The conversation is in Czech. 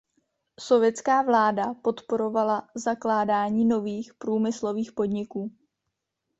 Sovětská vláda podporovala zakládání nových průmyslových podniků.